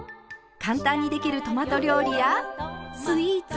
簡単にできるトマト料理やスイーツ。